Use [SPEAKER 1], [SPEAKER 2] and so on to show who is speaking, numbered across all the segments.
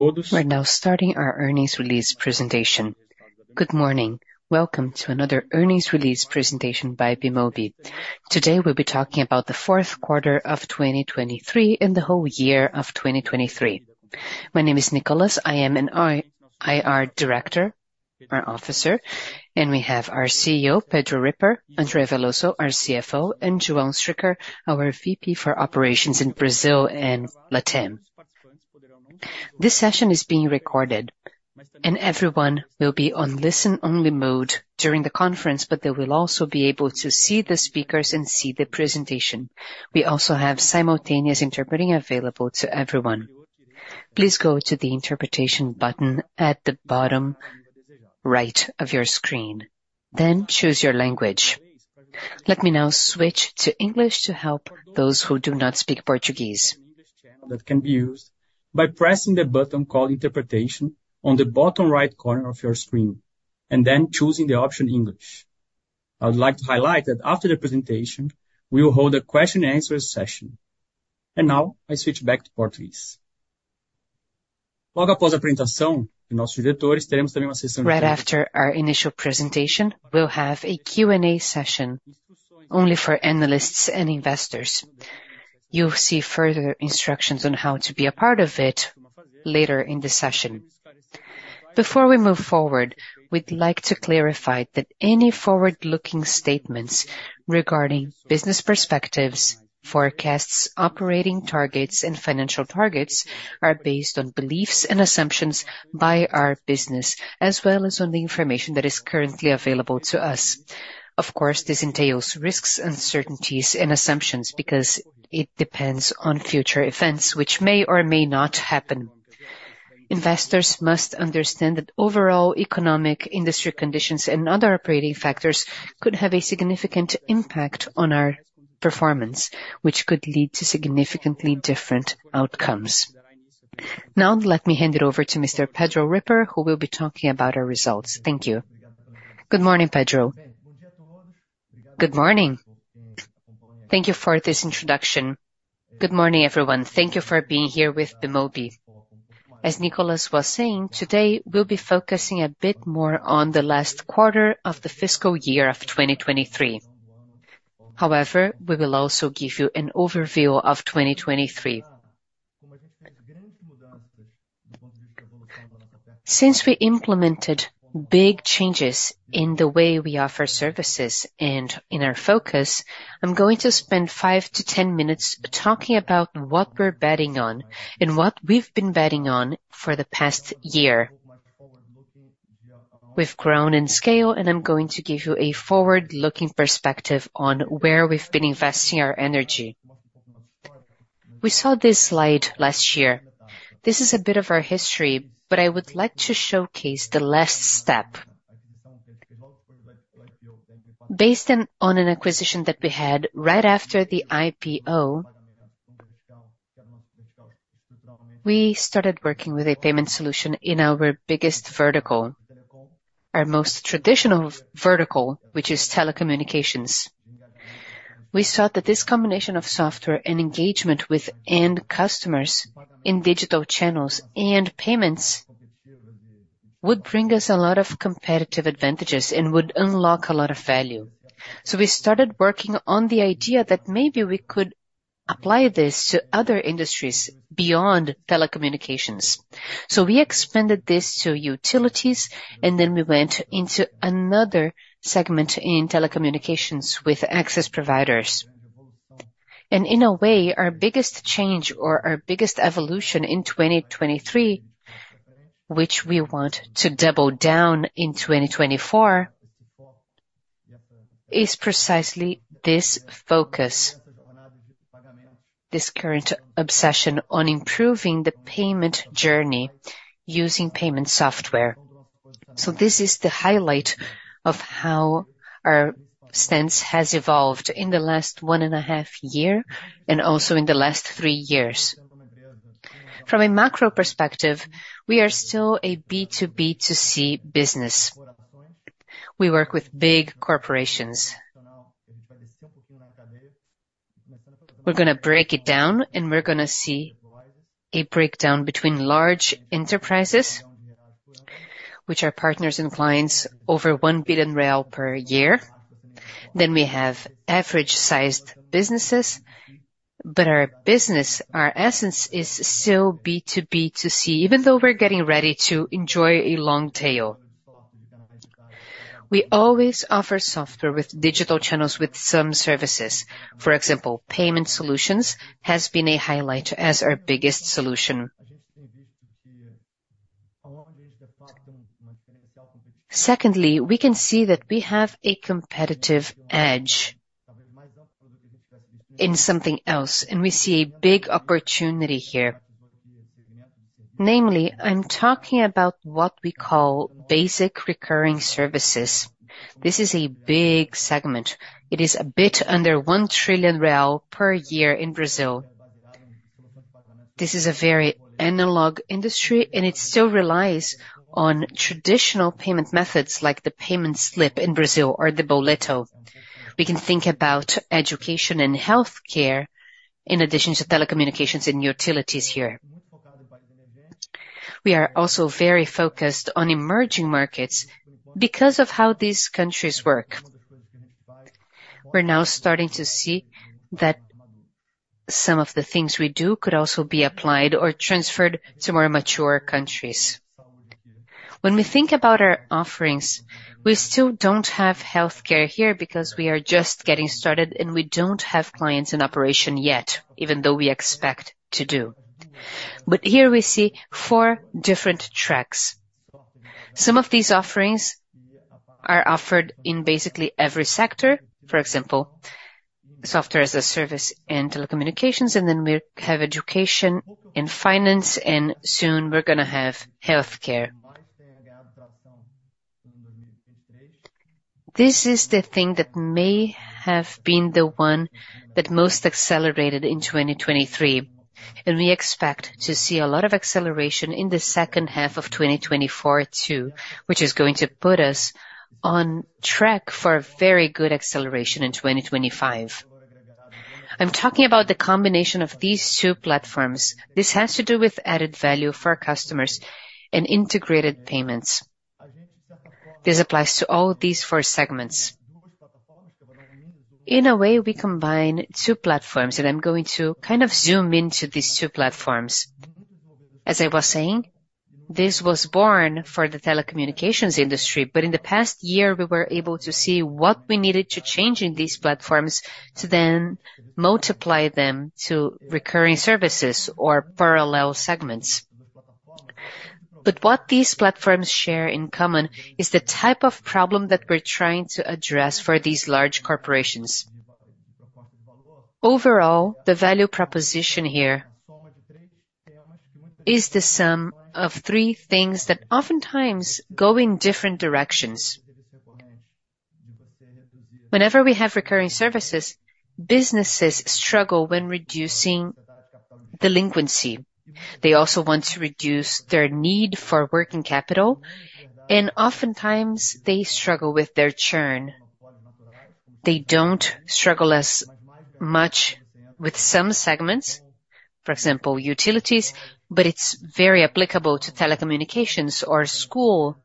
[SPEAKER 1] We're now starting our earnings release presentation. Good morning. Welcome to another earnings release presentation by Bemobi. Today, we'll be talking about the fourth quarter of 2023 and the whole year of 2023. My name is Nicholas. I am an IR, IR director or officer, and we have our CEO, Pedro Ripper, André Veloso, our CFO, and João Stricker, our VP for operations in Brazil and Latam. This session is being recorded, and everyone will be on listen-only mode during the conference, but they will also be able to see the speakers and see the presentation. We also have simultaneous interpreting available to everyone. Please go to the interpretation button at the bottom right of your screen, then choose your language. Let me now switch to English to help those who do not speak Portuguese.
[SPEAKER 2] That can be used by pressing the button called Interpretation on the bottom right corner of your screen, and then choosing the option English. I would like to highlight that after the presentation, we will hold a question and answer session. Now I switch back to Portuguese.
[SPEAKER 1] Right after our initial presentation, we'll have a Q&A session only for analysts and investors. You'll see further instructions on how to be a part of it later in the session. Before we move forward, we'd like to clarify that any forward-looking statements regarding business perspectives, forecasts, operating targets, and financial targets are based on beliefs and assumptions by our business, as well as on the information that is currently available to us. Of course, this entails risks, uncertainties, and assumptions because it depends on future events which may or may not happen. Investors must understand that overall economic industry conditions and other operating factors could have a significant impact on our performance, which could lead to significantly different outcomes. Now, let me hand it over to Mr. Pedro Ripper, who will be talking about our results. Thank you.
[SPEAKER 3] Good morning, Pedro. Good morning. Thank you for this introduction. Good morning, everyone. Thank you for being here with Bemobi. As Nicholas was saying, today, we'll be focusing a bit more on the last quarter of the fiscal year of 2023. However, we will also give you an overview of 2023. Since we implemented big changes in the way we offer services and in our focus, I'm going to spend five-10 minutes talking about what we're betting on and what we've been betting on for the past year. We've grown in scale, and I'm going to give you a forward-looking perspective on where we've been investing our energy. We saw this slide last year. This is a bit of our history, but I would like to showcase the last step. Based on an acquisition that we had right after the IPO, we started working with a payment solution in our biggest vertical, our most traditional vertical, which is telecommunications. We saw that this combination of software and engagement with end customers in digital channels and payments would bring us a lot of competitive advantages and would unlock a lot of value. So we started working on the idea that maybe we could apply this to other industries beyond telecommunications. So we expanded this to utilities, and then we went into another segment in telecommunications with access providers. In a way, our biggest change or our biggest evolution in 2023, which we want to double down in 2024, is precisely this focus, this current obsession on improving the payment journey using payment software. So this is the highlight of how our stance has evolved in the last 1.5 years and also in the last three years. From a macro perspective, we are still a B to B to C business. We work with big corporations. We're gonna break it down, and we're gonna see a breakdown between large enterprises, which are partners and clients, over 1 billion real per year. Then we have average-sized businesses, but our business, our essence, is still B to B to C, even though we're getting ready to enjoy a long tail. We always offer software with digital channels, with some services. For example, payment solutions has been a highlight as our biggest solution. Secondly, we can see that we have a competitive edge in something else, and we see a big opportunity here. Namely, I'm talking about what we call basic recurring services. This is a big segment. It is a bit under 1 trillion real per year in Brazil. This is a very analog industry, and it still relies on traditional payment methods, like the payment slip in Brazil or the boleto. We can think about education and healthcare, in addition to telecommunications and utilities here. We are also very focused on emerging markets because of how these countries work. We're now starting to see that some of the things we do could also be applied or transferred to more mature countries. When we think about our offerings, we still don't have healthcare here because we are just getting started, and we don't have clients in operation yet, even though we expect to do. But here we see four different tracks. Some of these offerings are offered in basically every sector, for example, software as a service and telecommunications, and then we have education and finance, and soon we're gonna have healthcare. This is the thing that may have been the one that most accelerated in 2023, and we expect to see a lot of acceleration in the second half of 2024, too, which is going to put us on track for a very good acceleration in 2025. I'm talking about the combination of these two platforms. This has to do with added value for our customers and integrated payments. This applies to all these four segments. In a way, we combine two platforms, and I'm going to kind of zoom into these two platforms. As I was saying, this was born for the telecommunications industry, but in the past year, we were able to see what we needed to change in these platforms to then multiply them to recurring services or parallel segments. But what these platforms share in common is the type of problem that we're trying to address for these large corporations. Overall, the value proposition here is the sum of three things that oftentimes go in different directions. Whenever we have recurring services, businesses struggle when reducing delinquency. They also want to reduce their need for working capital, and oftentimes they struggle with their churn. They don't struggle as much with some segments, for example, utilities, but it's very applicable to telecommunications or school,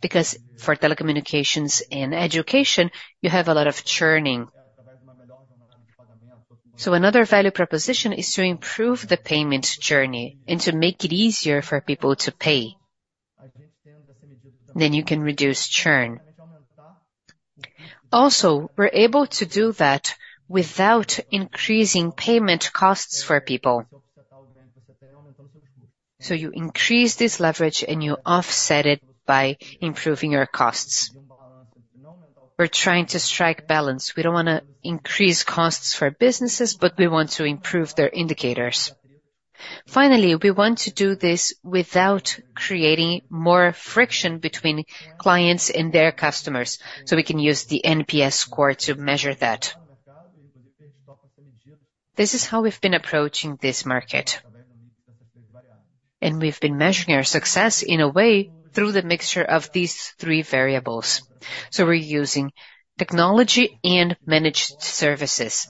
[SPEAKER 3] because for telecommunications and education, you have a lot of churning. So another value proposition is to improve the payment journey and to make it easier for people to pay, then you can reduce churn. Also, we're able to do that without increasing payment costs for people. So you increase this leverage, and you offset it by improving your costs. We're trying to strike balance. We don't want to increase costs for businesses, but we want to improve their indicators. Finally, we want to do this without creating more friction between clients and their customers, so we can use the NPS score to measure that. This is how we've been approaching this market, and we've been measuring our success in a way through the mixture of these three variables. So we're using technology and managed services.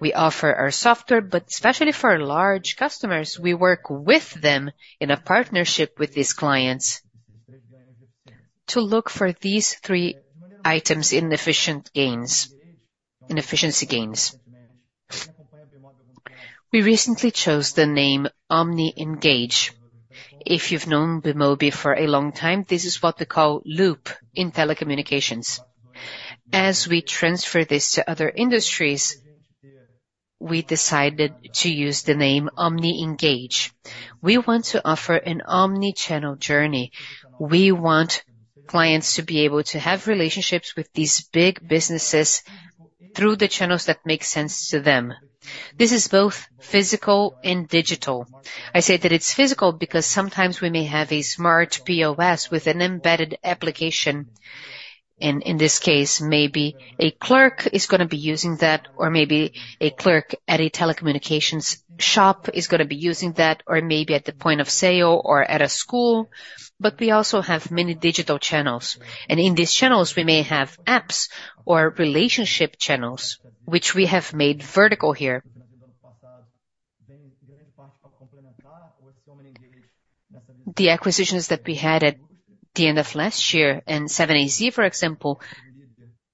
[SPEAKER 3] We offer our software, but especially for large customers, we work with them in a partnership with these clients to look for these three items in efficiency gains. We recently chose the name Omni Engage. If you've known Bemobi for a long time, this is what they call Loop in telecommunications. As we transfer this to other industries, we decided to use the name Omni Engage. We want to offer an omni-channel journey. We want clients to be able to have relationships with these big businesses through the channels that make sense to them. This is both physical and digital. I say that it's physical because sometimes we may have a Smart POS with an embedded application, and in this case, maybe a clerk is gonna be using that, or maybe a clerk at a telecommunications shop is gonna be using that, or maybe at the point of sale or at a school. But we also have many digital channels, and in these channels we may have apps or relationship channels, which we have made vertical here. The acquisitions that we had at the end of last year and Nweb, for example,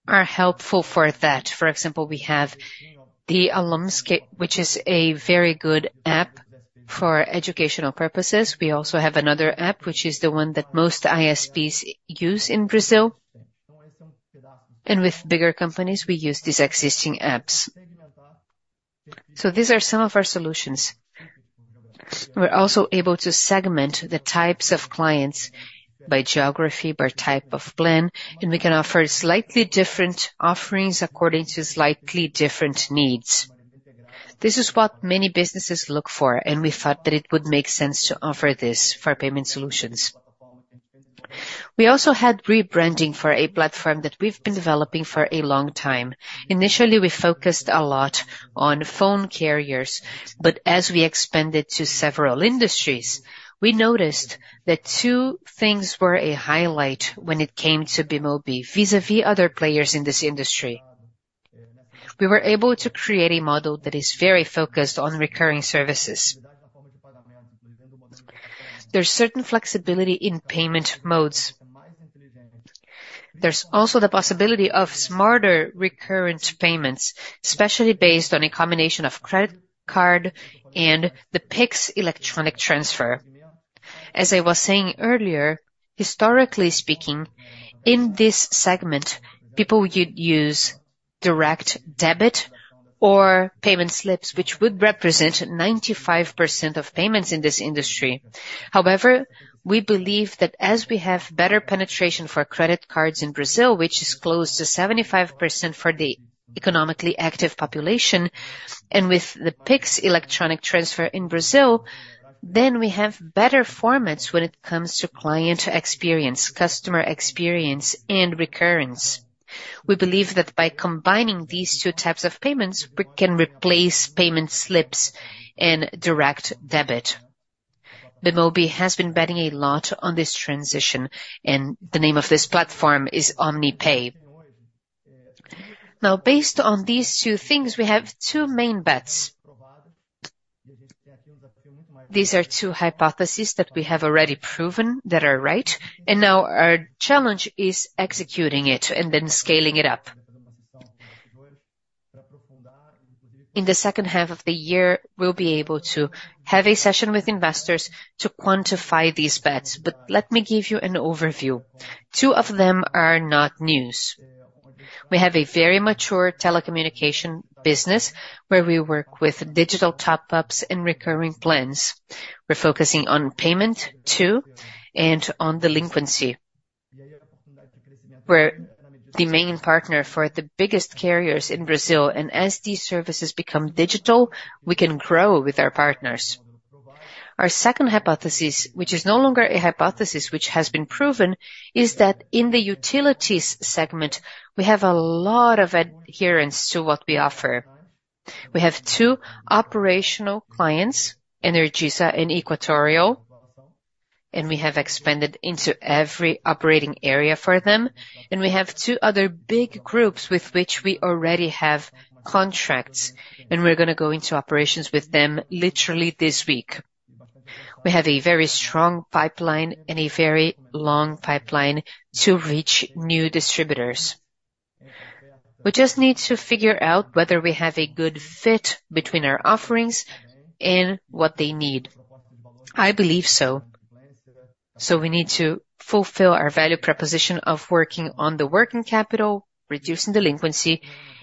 [SPEAKER 3] are helpful for that. For example, we have the Agenda Edu, which is a very good app for educational purposes. We also have another app, which is the one that most ISPs use in Brazil. And with bigger companies, we use these existing apps. So these are some of our solutions. We're also able to segment the types of clients by geography, by type of plan, and we can offer slightly different offerings according to slightly different needs. This is what many businesses look for, and we thought that it would make sense to offer this for payment solutions. We also had rebranding for a platform that we've been developing for a long time. Initially, we focused a lot on phone carriers, but as we expanded to several industries, we noticed that two things were a highlight when it came to Bemobi, vis-à-vis other players in this industry.... We were able to create a model that is very focused on recurring services. There's certain flexibility in payment modes. There's also the possibility of smarter recurrence payments, especially based on a combination of credit card and the Pix electronic transfer. As I was saying earlier, historically speaking, in this segment, people would use direct debit or payment slips, which would represent 95% of payments in this industry. However, we believe that as we have better penetration for credit cards in Brazil, which is close to 75% for the economically active population, and with the Pix electronic transfer in Brazil, then we have better formats when it comes to client experience, customer experience, and recurrence. We believe that by combining these two types of payments, we can replace payment slips and direct debit. Bemobi has been betting a lot on this transition, and the name of this platform is OmniPay. Now, based on these two things, we have two main bets. These are two hypotheses that we have already proven that are right, and now our challenge is executing it and then scaling it up. In the second half of the year, we'll be able to have a session with investors to quantify these bets, but let me give you an overview. Two of them are not news. We have a very mature telecommunication business, where we work with digital top-ups and recurring plans. We're focusing on payment, too, and on delinquency. We're the main partner for the biggest carriers in Brazil, and as these services become digital, we can grow with our partners. Our second hypothesis, which is no longer a hypothesis, which has been proven, is that in the utilities segment, we have a lot of adherence to what we offer. We have two operational clients, Energisa and Equatorial, and we have expanded into every operating area for them, and we have two other big groups with which we already have contracts, and we're gonna go into operations with them literally this week. We have a very strong pipeline and a very long pipeline to reach new distributors. We just need to figure out whether we have a good fit between our offerings and what they need. I believe so. So we need to fulfill our value proposition of working on the working capital, reducing delinquency,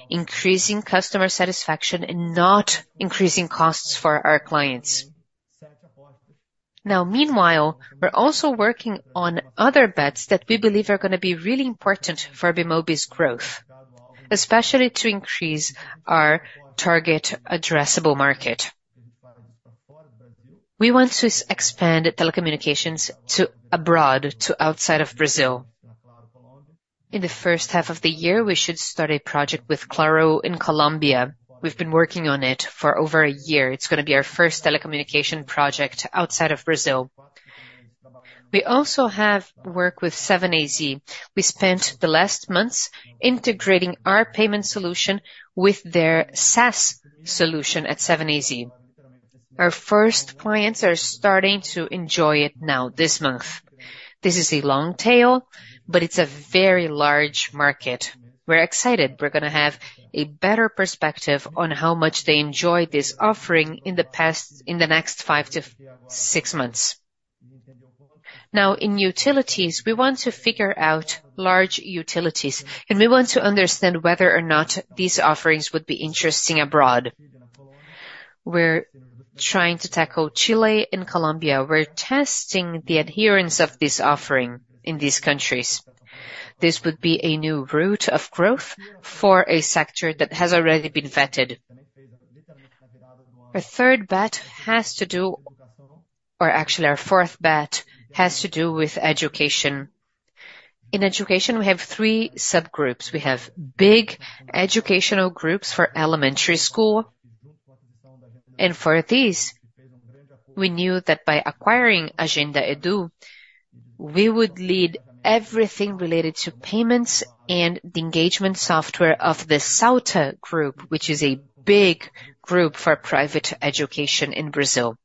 [SPEAKER 3] increasing customer satisfaction, and not increasing costs for our clients. Now, meanwhile, we're also working on other bets that we believe are gonna be really important for Bemobi's growth, especially to increase our target addressable market. We want to expand telecommunications to abroad, to outside of Brazil. In the first half of the year, we should start a project with Claro in Colombia. We've been working on it for over a year. It's gonna be our first telecommunication project outside of Brazil. We also have work with 7 AZ. We spent the last months integrating our payment solution with their SaaS solution at 7AZ. Our first clients are starting to enjoy it now, this month. This is a long tail, but it's a very large market. We're excited. We're gonna have a better perspective on how much they enjoy this offering in the next five to six months. Now, in utilities, we want to figure out large utilities, and we want to understand whether or not these offerings would be interesting abroad. We're trying to tackle Chile and Colombia. We're testing the adherence of this offering in these countries. This would be a new route of growth for a sector that has already been vetted. Our third bet has to do- or actually, our fourth bet has to do with education. In education, we have three subgroups. We have big educational groups for elementary school, and for these, we knew that by acquiring Agenda Edu, we would lead everything related to payments and the engagement software of the Salta group, which is a big group for private education in Brazil.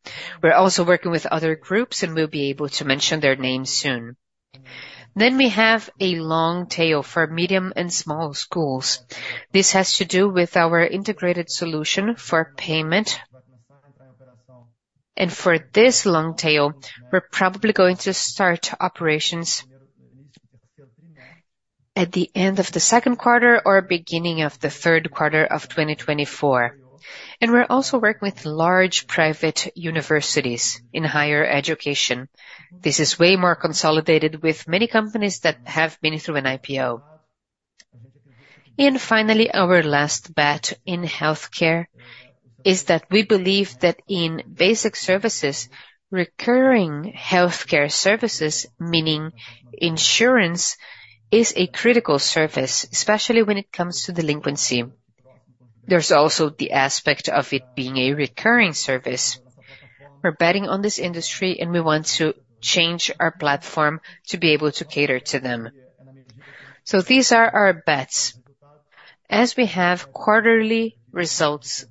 [SPEAKER 3] We're also working with other groups, and we'll be able to mention their names soon. Then we have a long tail for medium and small schools. This has to do with our integrated solution for payment. And for this long tail, we're probably going to start operations at the end of the second quarter or beginning of the third quarter of 2024. And we're also working with large private universities in higher education. This is way more consolidated with many companies that have been through an IPO. Finally, our last bet in healthcare is that we believe that in basic services, recurring healthcare services, meaning insurance, is a critical service, especially when it comes to delinquency. There's also the aspect of it being a recurring service. We're betting on this industry, and we want to change our platform to be able to cater to them. So these are our bets. As we have quarterly results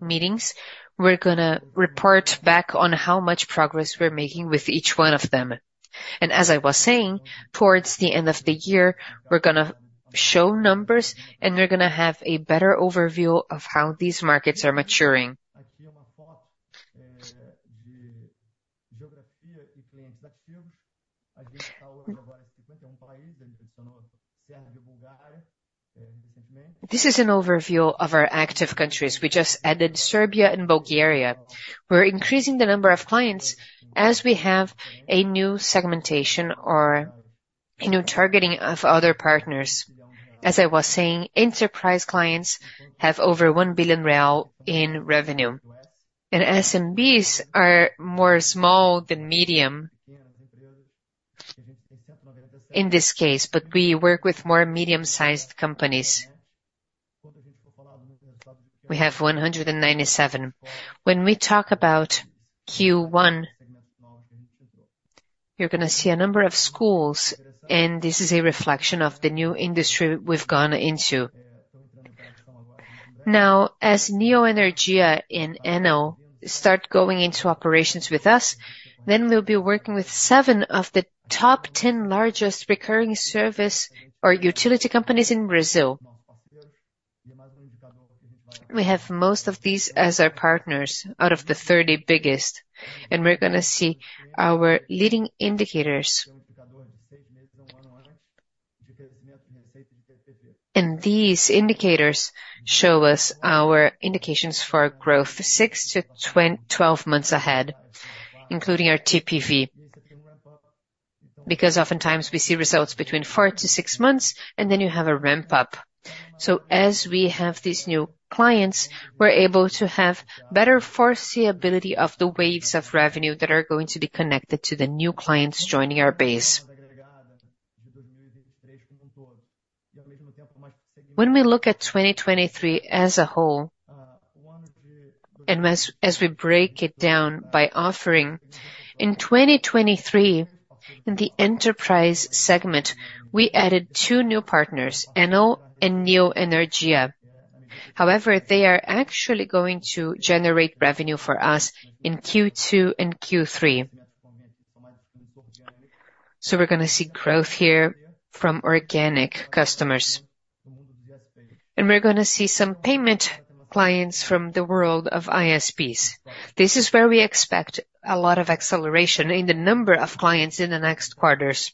[SPEAKER 3] meetings, we're gonna report back on how much progress we're making with each one of them. And as I was saying, towards the end of the year, we're gonna show numbers, and we're gonna have a better overview of how these markets are maturing. This is an overview of our active countries. We just added Serbia and Bulgaria. We're increasing the number of clients as we have a new segmentation or a new targeting of other partners. As I was saying, enterprise clients have over 1 billion real in revenue, and SMBs are more small than medium in this case, but we work with more medium-sized companies. We have 197. When we talk about Q1, you're gonna see a number of schools, and this is a reflection of the new industry we've gone into. Now, as Neoenergia and Enel start going into operations with us, then we'll be working with seven of the top 10 largest recurring service or utility companies in Brazil. We have most of these as our partners out of the 30 biggest, and we're gonna see our leading indicators. And these indicators show us our indications for growth six-12 months ahead, including our TPV, because oftentimes we see results between four to six months, and then you have a ramp up. So as we have these new clients, we're able to have better foreseeability of the waves of revenue that are going to be connected to the new clients joining our base. When we look at 2023 as a whole, and as we break it down by offering, in 2023, in the enterprise segment, we added two new partners, Enel and Neoenergia. However, they are actually going to generate revenue for us in Q2 and Q3. So we're gonna see growth here from organic customers. And we're gonna see some payment clients from the world of ISPs. This is where we expect a lot of acceleration in the number of clients in the next quarters.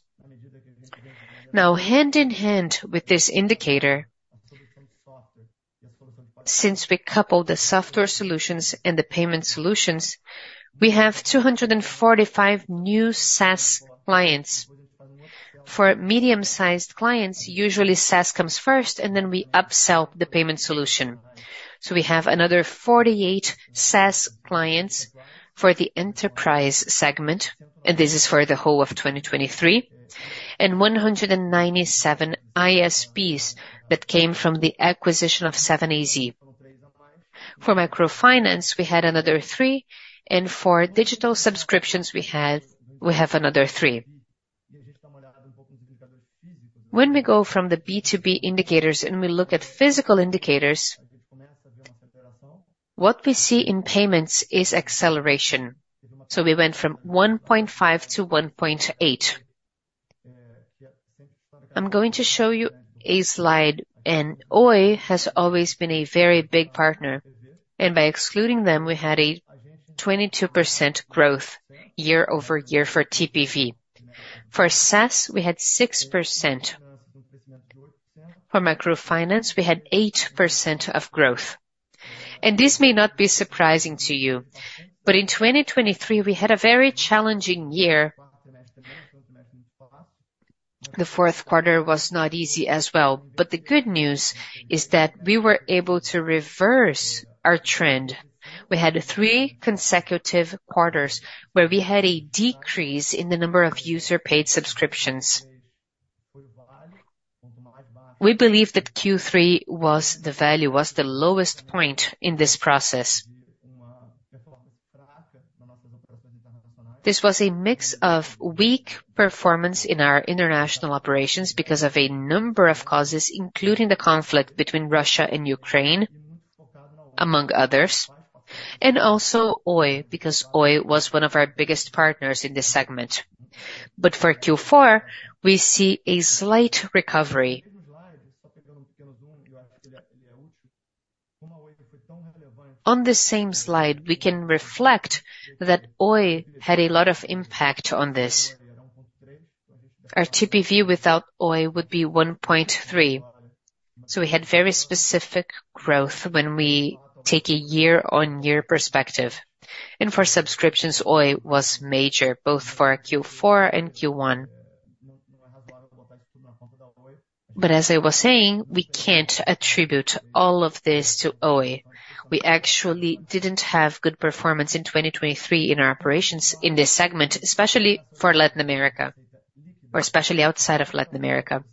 [SPEAKER 3] Now, hand in hand with this indicator, since we coupled the software solutions and the payment solutions, we have 245 new SaaS clients. For medium-sized clients, usually, SaaS comes first, and then we upsell the payment solution. So we have another 48 SaaS clients for the enterprise segment, and this is for the whole of 2023, and 197 ISPs that came from the acquisition of 7AZ. For microfinance, we had another three, and for digital subscriptions, we had - we have another three. When we go from the B2B indicators, and we look at physical indicators, what we see in payments is acceleration. So we went from 1.5-1.8. I'm going to show you a slide, and Oi has always been a very big partner, and by excluding them, we had a 22% growth year-over-year for TPV. For SaaS, we had 6%. For microfinance, we had 8% of growth. This may not be surprising to you, but in 2023, we had a very challenging year. The fourth quarter was not easy as well. But the good news is that we were able to reverse our trend. We had three consecutive quarters where we had a decrease in the number of user-paid subscriptions. We believe that Q3 was the valley, was the lowest point in this process. This was a mix of weak performance in our international operations because of a number of causes, including the conflict between Russia and Ukraine, among others, and also Oi, because Oi was one of our biggest partners in this segment. But for Q4, we see a slight recovery. On the same slide, we can reflect that Oi had a lot of impact on this. Our TPV without Oi would be 1.3. So we had very specific growth when we take a year-on-year perspective. And for subscriptions, Oi was major, both for Q4 and Q1. But as I was saying, we can't attribute all of this to Oi. We actually didn't have good performance in 2023 in our operations in this segment, especially for Latin America, or especially outside of Latin America.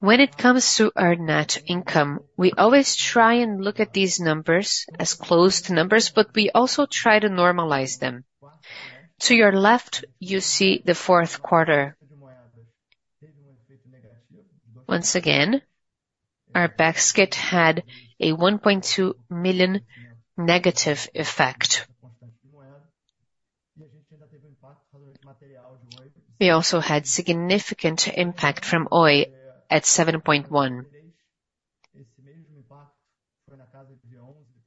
[SPEAKER 3] When it comes to our net income, we always try and look at these numbers as close to numbers, but we also try to normalize them. To your left, you see the fourth quarter. Once again, our basket had a 1.2 million negative effect. We also had significant impact from Oi at 7.1 million.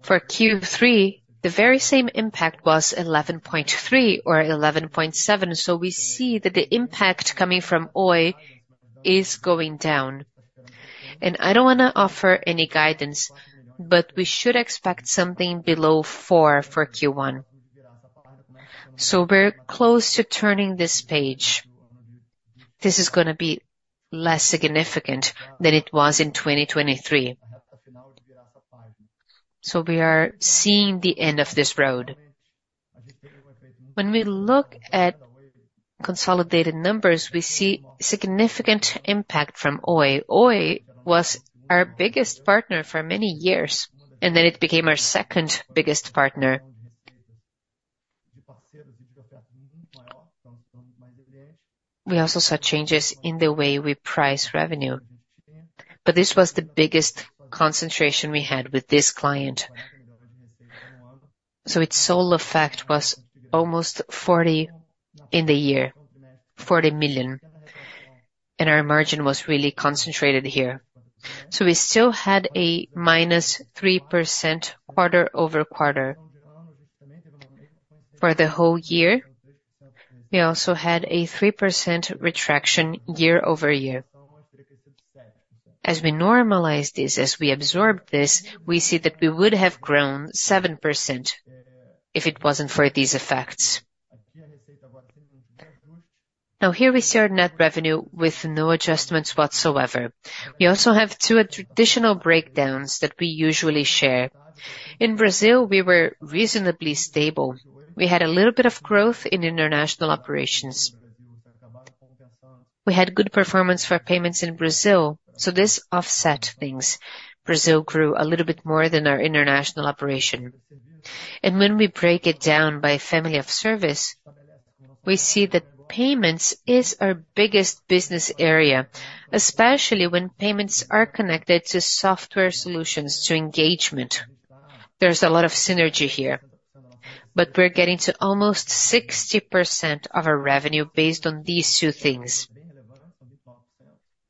[SPEAKER 3] For Q3, the very same impact was 11.3 million or 11.7 million, so we see that the impact coming from Oi is going down. I don't wanna offer any guidance, but we should expect something below 4 for Q1. So we're close to turning this page. This is gonna be less significant than it was in 2023. So we are seeing the end of this road. When we look at consolidated numbers, we see significant impact from Oi. Oi was our biggest partner for many years, and then it became our second biggest partner. We also saw changes in the way we price revenue, but this was the biggest concentration we had with this client. So its sole effect was almost 40 million in the year, and our margin was really concentrated here. So we still had a -3% quarter-over-quarter. For the whole year, we also had a 3% retraction year-over-year. As we normalize this, as we absorb this, we see that we would have grown 7% if it wasn't for these effects. Now, here we see our net revenue with no adjustments whatsoever. We also have two traditional breakdowns that we usually share. In Brazil, we were reasonably stable. We had a little bit of growth in international operations. We had good performance for payments in Brazil, so this offset things. Brazil grew a little bit more than our international operation. And when we break it down by family of service, we see that payments is our biggest business area, especially when payments are connected to software solutions to engagement. There's a lot of synergy here, but we're getting to almost 60% of our revenue based on these two things.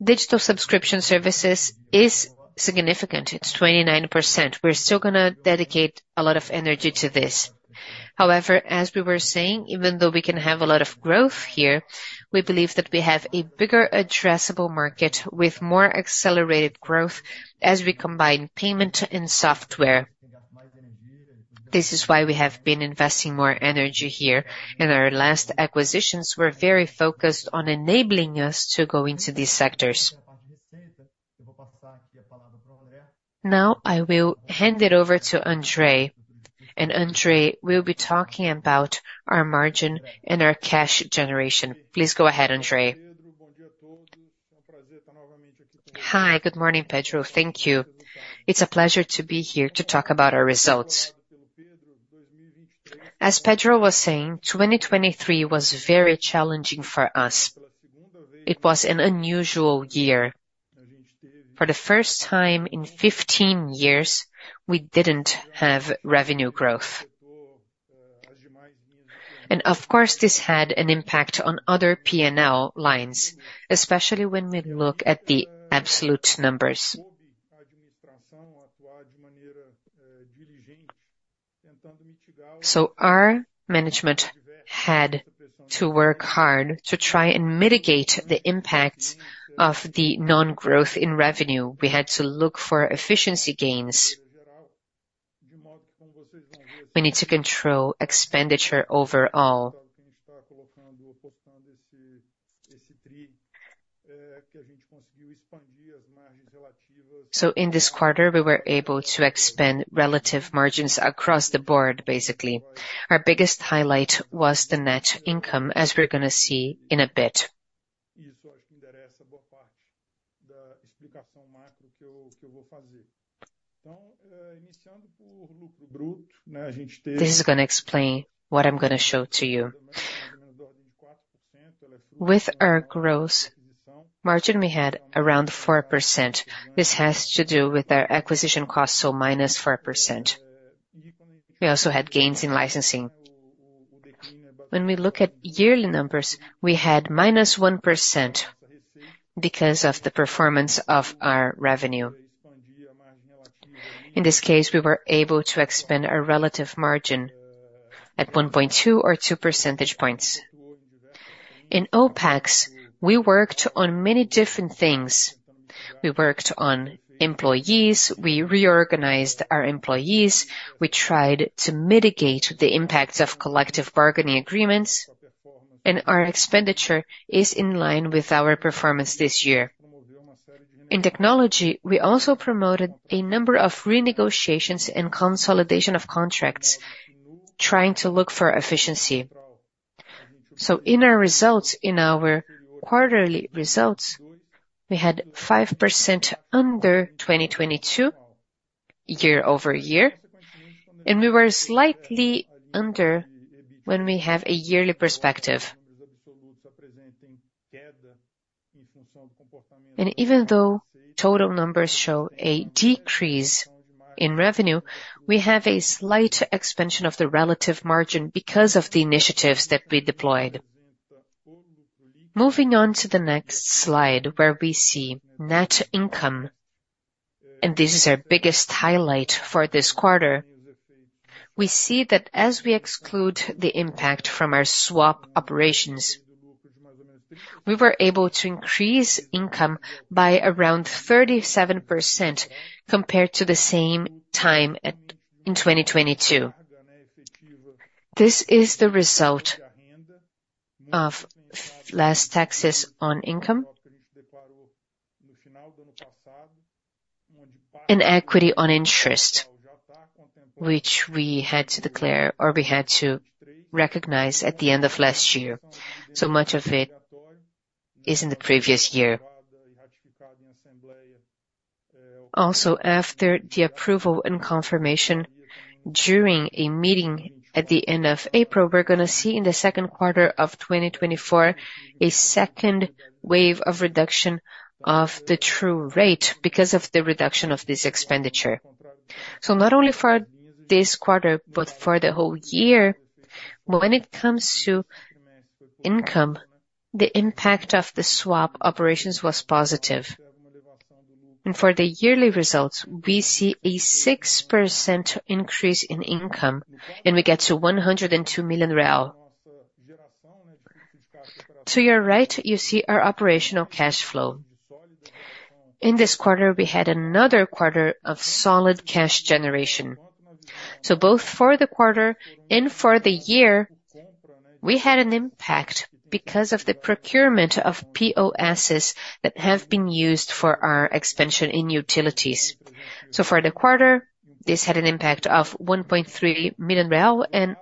[SPEAKER 3] Digital subscription services is significant. It's 29%. We're still gonna dedicate a lot of energy to this. However, as we were saying, even though we can have a lot of growth here, we believe that we have a bigger addressable market with more accelerated growth as we combine payment and software. This is why we have been investing more energy here, and our last acquisitions were very focused on enabling us to go into these sectors. Now, I will hand it over to André, and André will be talking about our margin and our cash generation. Please go ahead, André.
[SPEAKER 4] Hi, good morning, Pedro. Thank you. It's a pleasure to be here to talk about our results. As Pedro was saying, 2023 was very challenging for us. It was an unusual year. For the first time in 15 years, we didn't have revenue growth. Of course, this had an impact on other P&L lines, especially when we look at the absolute numbers. So our management had to work hard to try and mitigate the impact of the non-growth in revenue. We had to look for efficiency gains. We need to control expenditure overall. So in this quarter, we were able to expand relative margins across the board, basically. Our biggest highlight was the net income, as we're gonna see in a bit. This is gonna explain what I'm gonna show to you. With our gross margin, we had around 4%. This has to do with our acquisition cost, so -4%. We also had gains in licensing. When we look at yearly numbers, we had -1% because of the performance of our revenue. In this case, we were able to expand our relative margin at 1.2 or 2 percentage points. In OPEX, we worked on many different things. We worked on employees, we reorganized our employees, we tried to mitigate the impact of collective bargaining agreements, and our expenditure is in line with our performance this year. In technology, we also promoted a number of renegotiations and consolidation of contracts, trying to look for efficiency... So in our results, in our quarterly results, we had 5% under 2022, year-over-year, and we were slightly under when we have a yearly perspective. And even though total numbers show a decrease in revenue, we have a slight expansion of the relative margin because of the initiatives that we deployed. Moving on to the next slide, where we see net income, and this is our biggest highlight for this quarter. We see that as we exclude the impact from our swap operations, we were able to increase income by around 37% compared to the same time in 2022. This is the result of less taxes on income, and Interest on Equity, which we had to declare or we had to recognize at the end of last year. So much of it is in the previous year. Also, after the approval and confirmation during a meeting at the end of April, we're gonna see in the second quarter of 2024, a second wave of reduction of the tax rate because of the reduction of this expenditure. So not only for this quarter, but for the whole year. When it comes to income, the impact of the swap operations was positive. For the yearly results, we see a 6% increase in income, and we get to 102 million real. To your right, you see our operational cash flow. In this quarter, we had another quarter of solid cash generation. So both for the quarter and for the year, we had an impact because of the procurement of POSs that have been used for our expansion in utilities. So for the quarter, this had an impact of 1.3 million real, and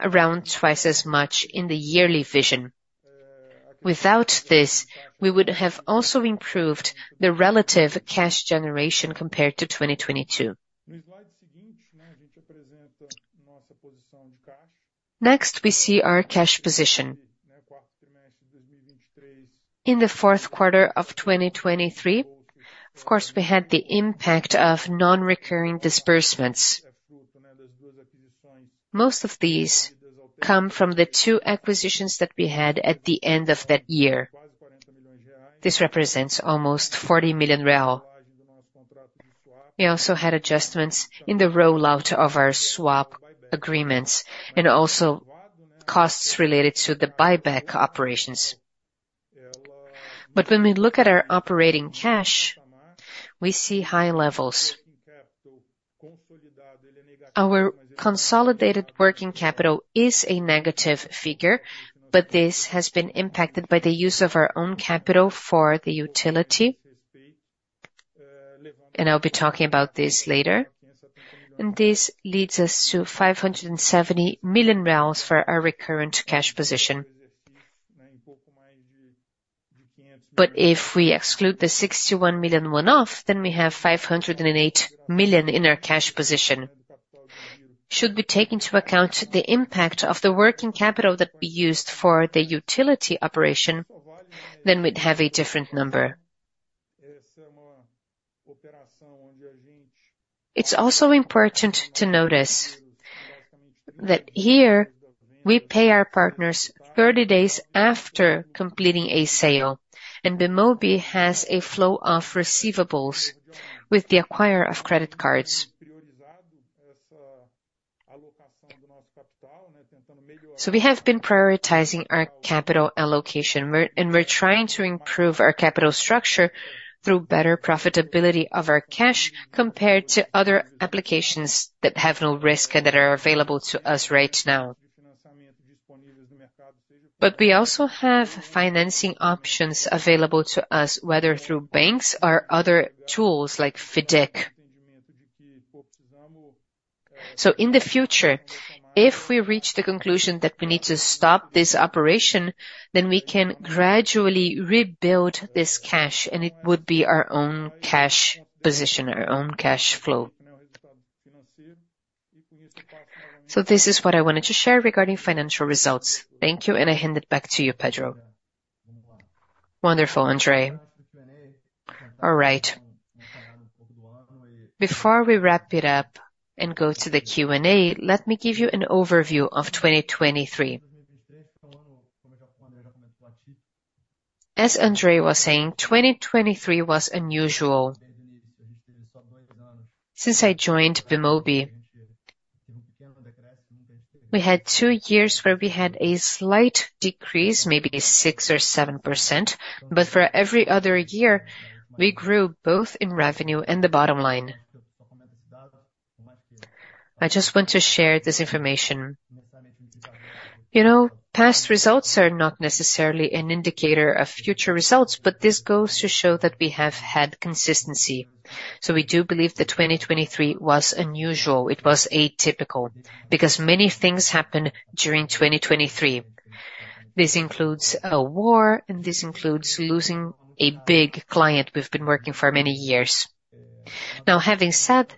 [SPEAKER 4] around twice as much in the yearly vision. Without this, we would have also improved the relative cash generation compared to 2022. Next, we see our cash position. In the fourth quarter of 2023, of course, we had the impact of non-recurring disbursements. Most of these come from the two acquisitions that we had at the end of that year. This represents almost 40 million real. We also had adjustments in the rollout of our swap agreements, and also costs related to the buyback operations. But when we look at our operating cash, we see high levels. Our consolidated working capital is a negative figure, but this has been impacted by the use of our own capital for the utility, and I'll be talking about this later. This leads us to 570 million for our recurrent cash position. But if we exclude the 61 million one-off, then we have 508 million in our cash position. Should we take into account the impact of the working capital that we used for the utility operation, then we'd have a different number. It's also important to notice that here we pay our partners 30 days after completing a sale, and Bemobi has a flow of receivables with the acquirer of credit cards. So we have been prioritizing our capital allocation, we're and we're trying to improve our capital structure through better profitability of our cash compared to other applications that have no risk and that are available to us right now. But we also have financing options available to us, whether through banks or other tools like FIDC. So in the future, if we reach the conclusion that we need to stop this operation, then we can gradually rebuild this cash, and it would be our own cash position, our own cash flow. So this is what I wanted to share regarding financial results. Thank you, and I hand it back to you, Pedro.
[SPEAKER 3] Wonderful, André. All right. Before we wrap it up and go to the Q&A, let me give you an overview of 2023. As André was saying, 2023 was unusual. Since I joined Bemobi, we had two years where we had a slight decrease, maybe 6% or 7%, but for every other year, we grew both in revenue and the bottom line. I just want to share this information. You know, past results are not necessarily an indicator of future results, but this goes to show that we have had consistency. So we do believe that 2023 was unusual. It was atypical, because many things happened during 2023.... This includes a war, and this includes losing a big client we've been working for many years. Now, having said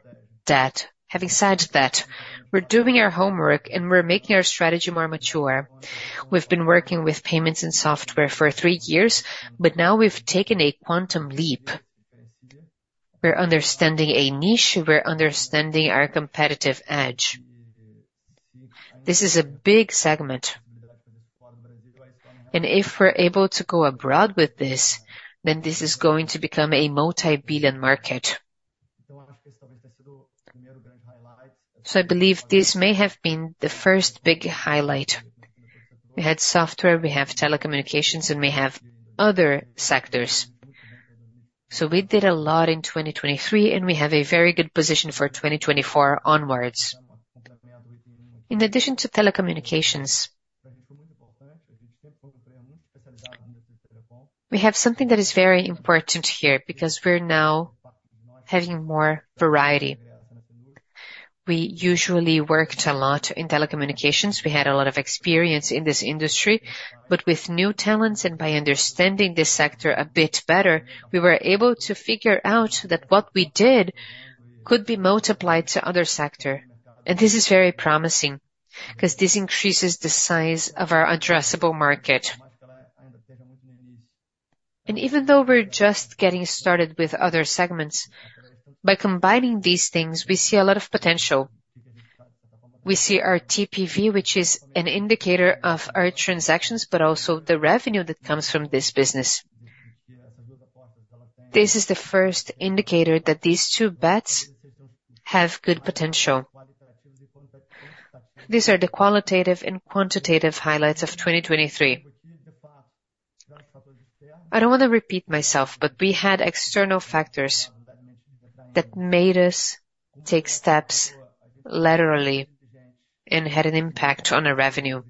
[SPEAKER 3] that, having said that, we're doing our homework, and we're making our strategy more mature. We've been working with payments and software for three years, but now we've taken a quantum leap. We're understanding a niche, we're understanding our competitive edge. This is a big segment, and if we're able to go abroad with this, then this is going to become a multi-billion market. So I believe this may have been the first big highlight. We had software, we have telecommunications, and we have other sectors. So we did a lot in 2023, and we have a very good position for 2024 onwards. In addition to telecommunications, we have something that is very important here because we're now having more variety. We usually worked a lot in telecommunications. We had a lot of experience in this industry, but with new talents and by understanding this sector a bit better, we were able to figure out that what we did could be multiplied to other sector. This is very promising, 'cause this increases the size of our addressable market. Even though we're just getting started with other segments, by combining these things, we see a lot of potential. We see our TPV, which is an indicator of our transactions, but also the revenue that comes from this business. This is the first indicator that these two bets have good potential. These are the qualitative and quantitative highlights of 2023. I don't want to repeat myself, but we had external factors that made us take steps laterally and had an impact on our revenue.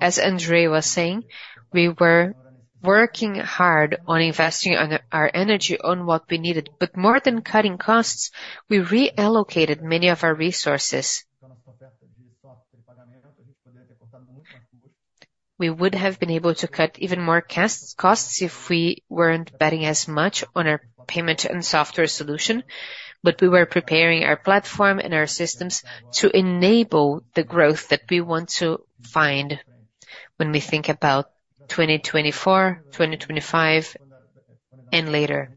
[SPEAKER 3] As André was saying, we were working hard on investing on our energy, on what we needed, but more than cutting costs, we reallocated many of our resources. We would have been able to cut even more costs if we weren't betting as much on our payment and software solution, but we were preparing our platform and our systems to enable the growth that we want to find when we think about 2024, 2025, and later.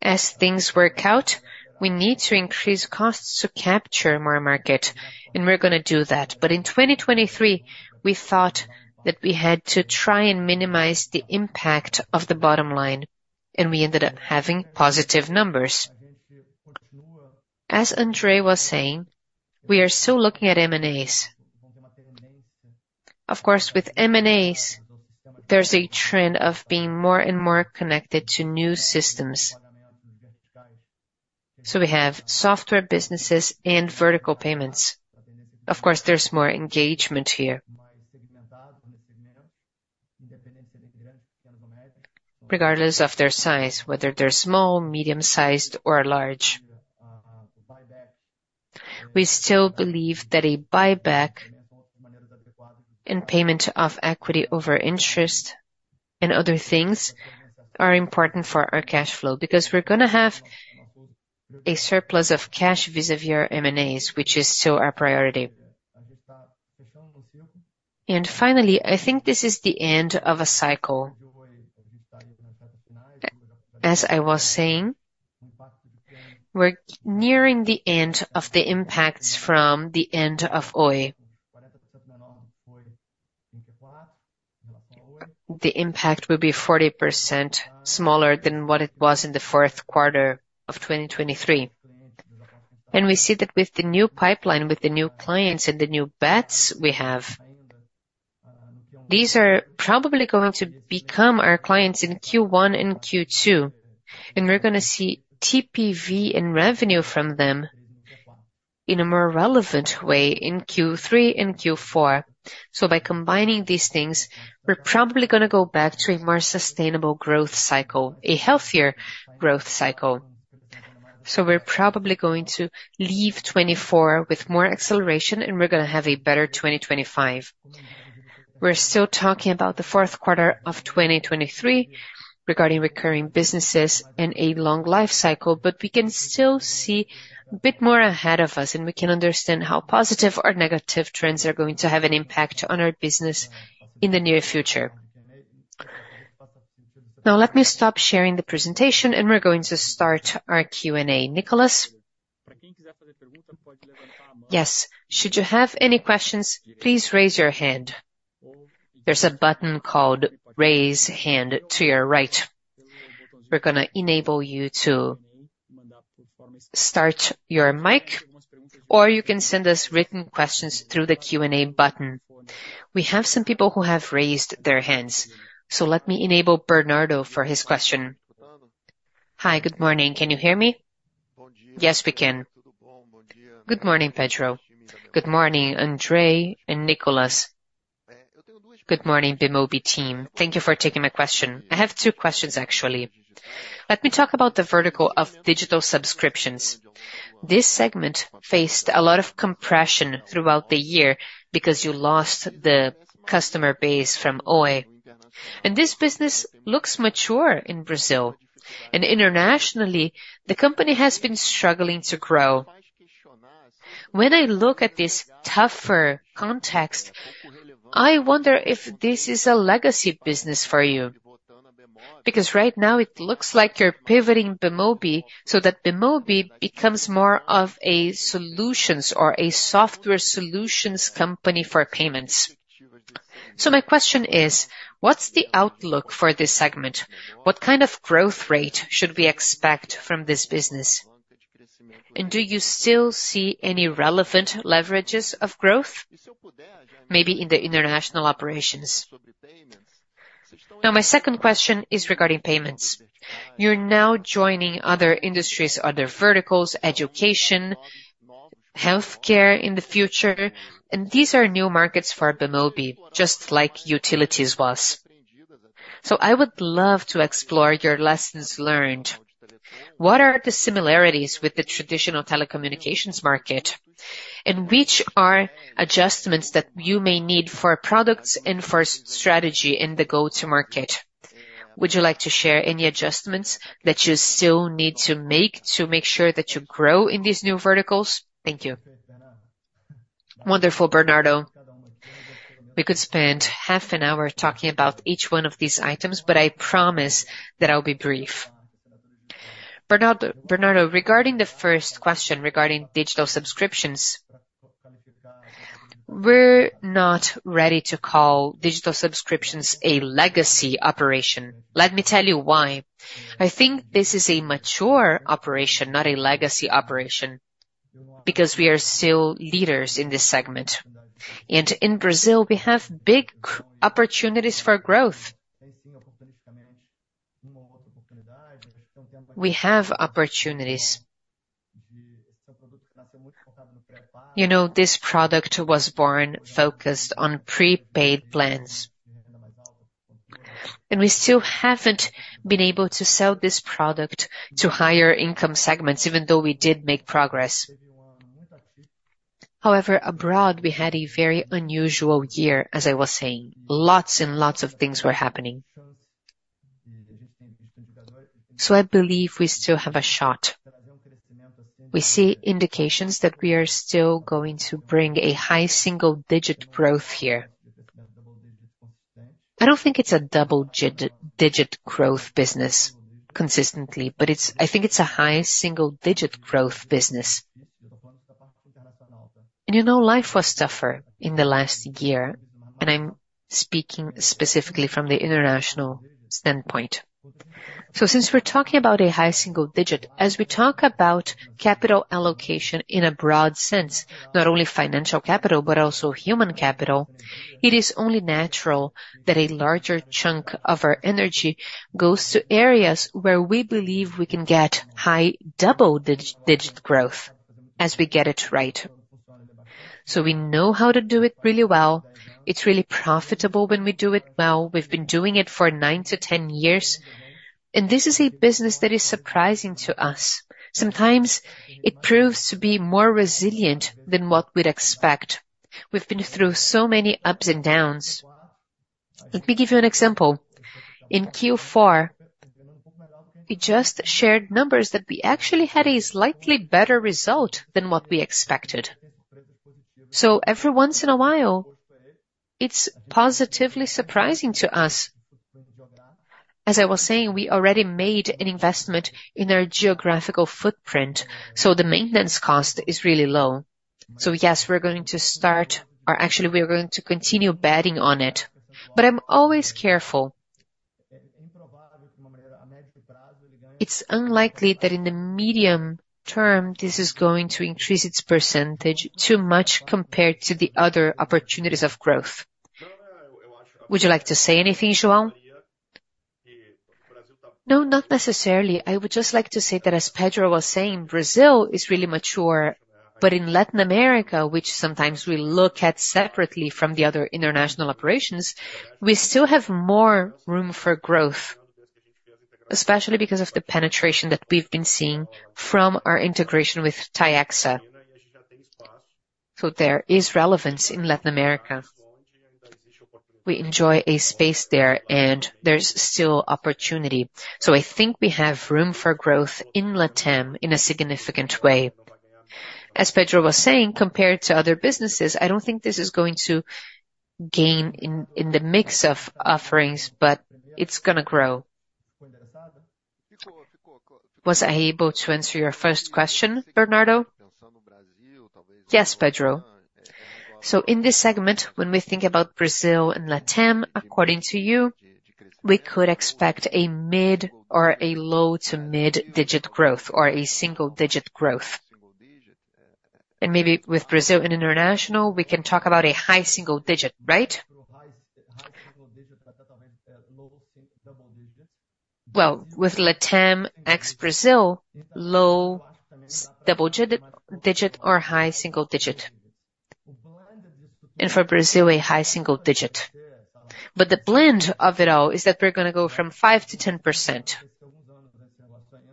[SPEAKER 3] As things work out, we need to increase costs to capture more market, and we're gonna do that. But in 2023, we thought that we had to try and minimize the impact of the bottom line, and we ended up having positive numbers. As André was saying, we are still looking at M&As. Of course, with M&As, there's a trend of being more and more connected to new systems. So we have software businesses and vertical payments. Of course, there's more engagement here. Regardless of their size, whether they're small, medium-sized, or large, we still believe that a buyback and payment of interest on equity and other things are important for our cash flow, because we're gonna have a surplus of cash vis-à-vis our M&As, which is still our priority. And finally, I think this is the end of a cycle. As I was saying, we're nearing the end of the impacts from the end of Oi. The impact will be 40% smaller than what it was in the fourth quarter of 2023. We see that with the new pipeline, with the new clients and the new bets we have, these are probably going to become our clients in Q1 and Q2, and we're gonna see TPV and revenue from them in a more relevant way in Q3 and Q4. By combining these things, we're probably gonna go back to a more sustainable growth cycle, a healthier growth cycle. We're probably going to leave 2024 with more acceleration, and we're gonna have a better 2025. We're still talking about the fourth quarter of 2023 regarding recurring businesses and a long life cycle, but we can still see a bit more ahead of us, and we can understand how positive or negative trends are going to have an impact on our business in the near future. Now, let me stop sharing the presentation, and we're going to start our Q&A. Nicholas?
[SPEAKER 1] Yes. Should you have any questions, please raise your hand. There's a button called Raise Hand to your right. We're gonna enable you to start your mic, or you can send us written questions through the Q&A button. We have some people who have raised their hands, so let me enable Bernardo for his question.
[SPEAKER 5] Hi, good morning. Can you hear me?
[SPEAKER 3] Yes, we can.
[SPEAKER 5] Good morning, Pedro. Good morning, André and Nicholas.... Good morning, Bemobi team. Thank you for taking my question. I have two questions, actually. Let me talk about the vertical of digital subscriptions. This segment faced a lot of compression throughout the year because you lost the customer base from Oi. And this business looks mature in Brazil, and internationally, the company has been struggling to grow. When I look at this tougher context, I wonder if this is a legacy business for you, because right now it looks like you're pivoting Bemobi so that Bemobi becomes more of a solutions or a software solutions company for payments. So my question is: What's the outlook for this segment? What kind of growth rate should we expect from this business? And do you still see any relevant leverages of growth, maybe in the international operations? Now, my second question is regarding payments. You're now joining other industries, other verticals, education, healthcare in the future, and these are new markets for Bemobi, just like utilities was. So I would love to explore your lessons learned. What are the similarities with the traditional telecommunications market? And which are adjustments that you may need for products and for strategy in the go-to-market? Would you like to share any adjustments that you still need to make to make sure that you grow in these new verticals? Thank you.
[SPEAKER 1] Wonderful, Bernardo. We could spend half an hour talking about each one of these items, but I promise that I'll be brief. Bernardo, regarding the first question, regarding digital subscriptions, we're not ready to call digital subscriptions a legacy operation. Let me tell you why. I think this is a mature operation, not a legacy operation, because we are still leaders in this segment. And in Brazil, we have big opportunities for growth. We have opportunities. You know, this product was born focused on prepaid plans, and we still haven't been able to sell this product to higher income segments, even though we did make progress. However, abroad, we had a very unusual year, as I was saying. Lots and lots of things were happening. So I believe we still have a shot. We see indications that we are still going to bring a high single-digit growth here. I don't think it's a double-digit growth business consistently, but it's, I think it's a high single-digit growth business. And, you know, life was tougher in the last year, and I'm speaking specifically from the international standpoint. So since we're talking about a high single digit, as we talk about capital allocation in a broad sense, not only financial capital, but also human capital, it is only natural that a larger chunk of our energy goes to areas where we believe we can get high double-digit growth as we get it right. So we know how to do it really well. It's really profitable when we do it well. We've been doing it for 9-10 years, and this is a business that is surprising to us. Sometimes it proves to be more resilient than what we'd expect. We've been through so many ups and downs. Let me give you an example. In Q4, we just shared numbers that we actually had a slightly better result than what we expected. So every once in a while, it's positively surprising to us. As I was saying, we already made an investment in our geographical footprint, so the maintenance cost is really low. So yes, we're going to start, or actually, we are going to continue betting on it. But I'm always careful. It's unlikely that in the medium term, this is going to increase its percentage too much compared to the other opportunities of growth. Would you like to say anything, João?
[SPEAKER 6] No, not necessarily. I would just like to say that as Pedro was saying, Brazil is really mature, but in Latin America, which sometimes we look at separately from the other international operations, we still have more room for growth, especially because of the penetration that we've been seeing from our integration with Tiaxa. So there is relevance in Latin America. We enjoy a space there, and there's still opportunity. So I think we have room for growth in Latam in a significant way. As Pedro was saying, compared to other businesses, I don't think this is going to gain in the mix of offerings, but it's gonna grow. Was I able to answer your first question, Bernardo?
[SPEAKER 5] Yes, Pedro. So in this segment, when we think about Brazil and Latam, according to you, we could expect a mid or a low to mid-digit growth or a single-digit growth. And maybe with Brazil and international, we can talk about a high single digit, right?
[SPEAKER 3] Well, with LATAM ex Brazil, low double digit or high single digit. And for Brazil, a high single digit. But the blend of it all is that we're gonna go from 5%-10%.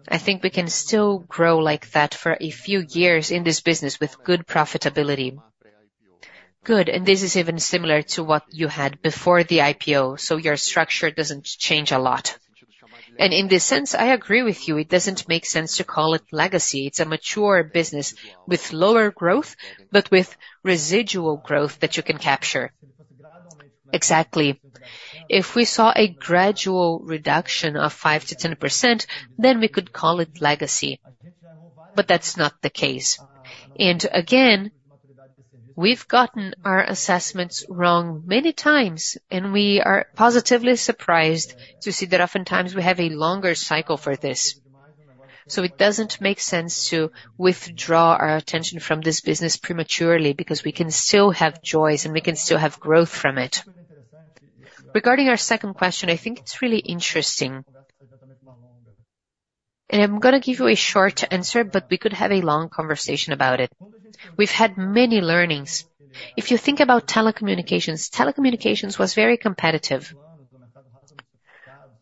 [SPEAKER 3] I think we can still grow like that for a few years in this business with good profitability. Good, and this is even similar to what you had before the IPO, so your structure doesn't change a lot. And in this sense, I agree with you, it doesn't make sense to call it legacy. It's a mature business with lower growth, but with residual growth that you can capture. Exactly. If we saw a gradual reduction of 5%-10%, then we could call it legacy, but that's not the case. And again, we've gotten our assessments wrong many times, and we are positively surprised to see that oftentimes we have a longer cycle for this. So it doesn't make sense to withdraw our attention from this business prematurely, because we can still have joys and we can still have growth from it. Regarding our second question, I think it's really interesting. And I'm gonna give you a short answer, but we could have a long conversation about it. We've had many learnings. If you think about telecommunications, telecommunications was very competitive.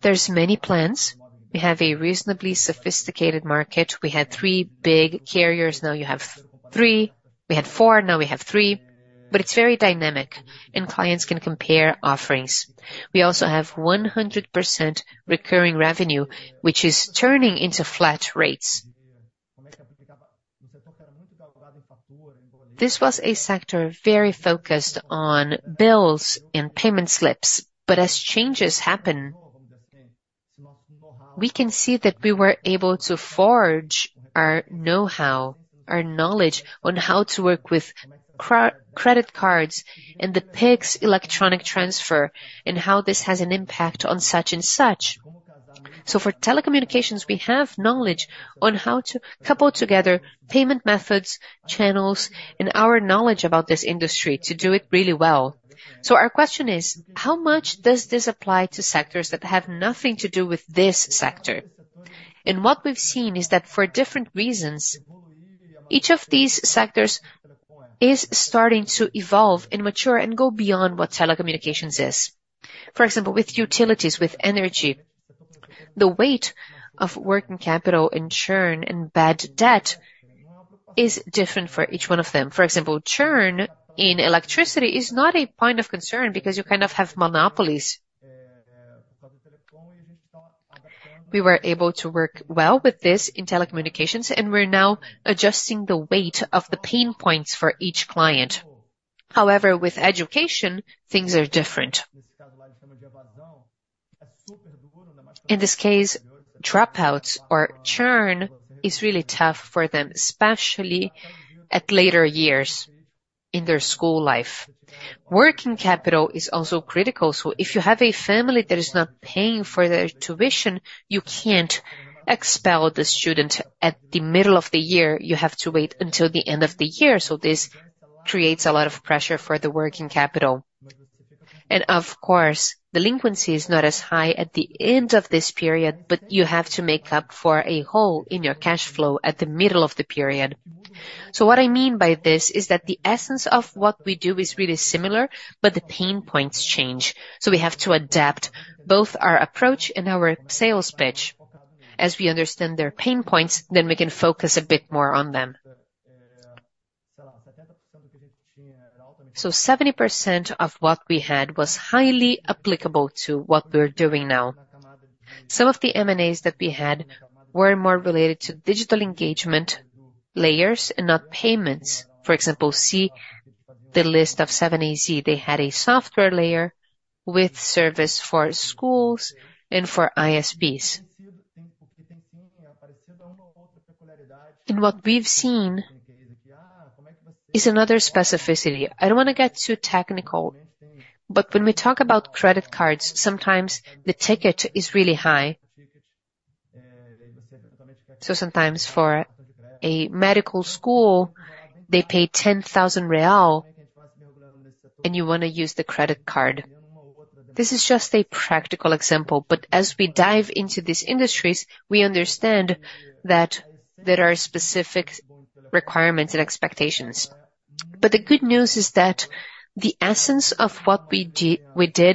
[SPEAKER 3] There's many plans. We have a reasonably sophisticated market. We had three big carriers, now you have three. We had four, now we have three, but it's very dynamic, and clients can compare offerings. We also have 100% recurring revenue, which is turning into flat rates. This was a sector very focused on bills and payment slips, but as changes happen, we can see that we were able to forge our know-how, our knowledge on how to work with credit cards and the Pix electronic transfer, and how this has an impact on such and such. For telecommunications, we have knowledge on how to couple together payment methods, channels, and our knowledge about this industry to do it really well. Our question is, how much does this apply to sectors that have nothing to do with this sector? What we've seen is that for different reasons, each of these sectors is starting to evolve and mature and go beyond what telecommunications is. For example, with utilities, with energy, the weight of working capital and churn and bad debt is different for each one of them. For example, churn in electricity is not a point of concern because you kind of have monopolies. We were able to work well with this in telecommunications, and we're now adjusting the weight of the pain points for each client. However, with education, things are different. In this case, dropouts or churn is really tough for them, especially at later years in their school life. Working capital is also critical, so if you have a family that is not paying for their tuition, you can't expel the student at the middle of the year. You have to wait until the end of the year, so this creates a lot of pressure for the working capital. And of course, delinquency is not as high at the end of this period, but you have to make up for a hole in your cash flow at the middle of the period. So what I mean by this is that the essence of what we do is really similar, but the pain points change. So we have to adapt both our approach and our sales pitch. As we understand their pain points, then we can focus a bit more on them. So 70% of what we had was highly applicable to what we're doing now. Some of the M&As that we had were more related to digital engagement layers, and not payments. For example, see the list of 7AZ. They had a software layer with service for schools and for ISPs. And what we've seen is another specificity. I don't wanna get too technical, but when we talk about credit cards, sometimes the ticket is really high. So sometimes for a medical school, they pay 10,000 real, and you wanna use the credit card. This is just a practical example, but as we dive into these industries, we understand that there are specific requirements and expectations. But the good news is that the essence of what we did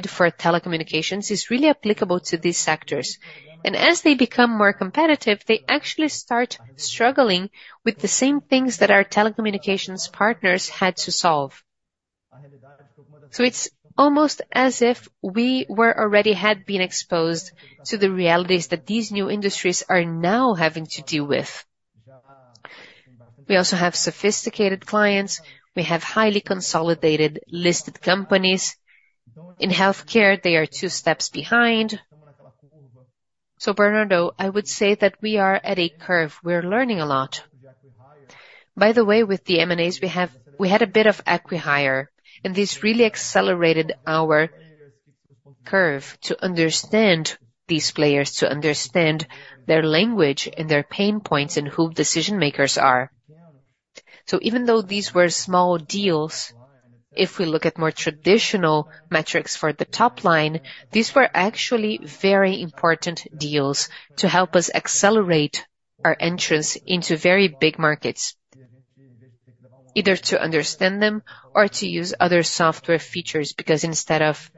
[SPEAKER 3] for telecommunications is really applicable to these sectors. And as they become more competitive, they actually start struggling with the same things that our telecommunications partners had to solve. So it's almost as if we were already had been exposed to the realities that these new industries are now having to deal with. We also have sophisticated clients. We have highly consolidated, listed companies. In healthcare, they are two steps behind. So Bernardo, I would say that we are at a curve. We're learning a lot. By the way, with the M&As we have, we had a bit of acqui-hire, and this really accelerated our curve to understand these players, to understand their language and their pain points and who decision makers are. So even though these were small deals, if we look at more traditional metrics for the top line, these were actually very important deals to help us accelerate our entrance into very big markets, either to understand them or to use other software features, because instead of,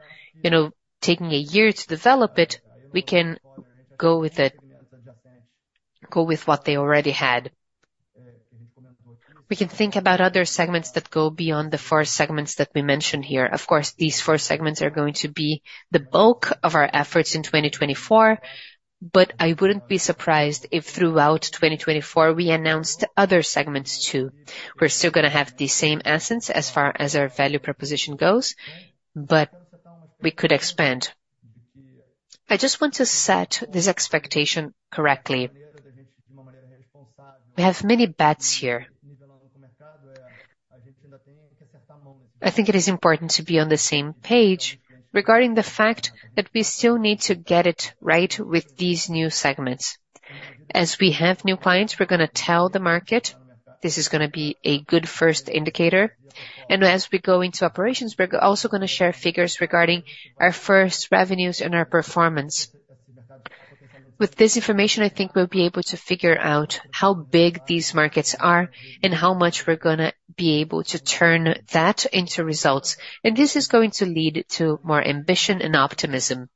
[SPEAKER 3] you know, taking a year to develop it, we can go with it, go with what they already had. We can think about other segments that go beyond the four segments that we mentioned here. Of course, these four segments are going to be the bulk of our efforts in 2024, but I wouldn't be surprised if throughout 2024, we announced other segments, too. We're still gonna have the same essence as far as our value proposition goes, but we could expand. I just want to set this expectation correctly. We have many bets here. I think it is important to be on the same page regarding the fact that we still need to get it right with these new segments. As we have new clients, we're gonna tell the market this is gonna be a good first indicator, and as we go into operations, we're also gonna share figures regarding our first revenues and our performance. With this information, I think we'll be able to figure out how big these markets are and how much we're gonna be able to turn that into results, and this is going to lead to more ambition and optimism.